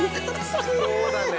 そうだね。